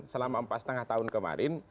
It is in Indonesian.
selama empat lima tahun kemarin